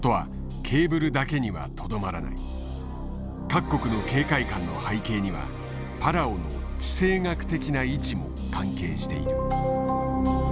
各国の警戒感の背景にはパラオの地政学的な位置も関係している。